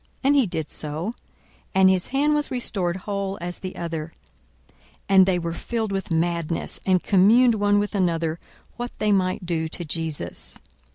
And he did so: and his hand was restored whole as the other. 42:006:011 And they were filled with madness; and communed one with another what they might do to Jesus.